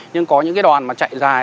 nhưng có những cái đoàn mà chạy dài